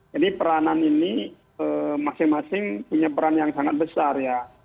jadi peranan ini masing masing punya peran yang sangat besar ya